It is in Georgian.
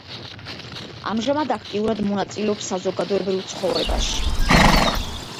ამჟამად აქტიურად მონაწილეობს საზოგადოებრივ ცხოვრებაში.